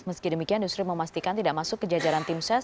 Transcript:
meski demikian yusril memastikan tidak masuk ke jajaran tim ses